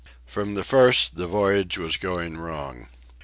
From the first the voyage was going wrong.